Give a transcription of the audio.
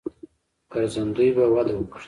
ګرځندوی به وده وکړي.